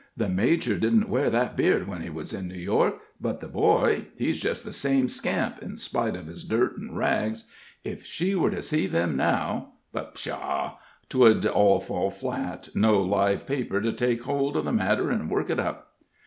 The major didn't wear that beard when in New York; but the boy he's just the same scamp, in spite of his dirt and rags. If she were to see them now but, pshaw! 'twould all fall flat no live paper to take hold of the matter and work it up."